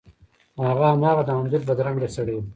هغه هماغه د انځور بدرنګه سړی و.